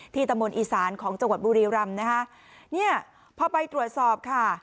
ตะมนต์อีสานของจังหวัดบุรีรำนะคะเนี่ยพอไปตรวจสอบค่ะ